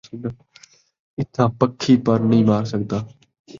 اِتھاں پکھی پر نئیں مار سڳدا